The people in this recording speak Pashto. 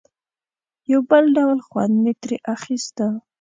یو بل ډول خوند به مې ترې اخیسته.